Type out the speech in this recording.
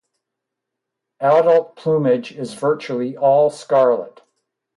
Adult plumage is virtually all scarlet.